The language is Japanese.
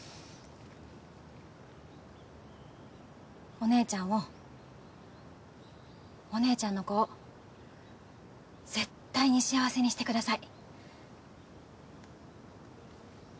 お姉ちゃんをお姉ちゃんの子を絶対に幸せにしてください！